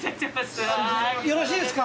よろしいですか？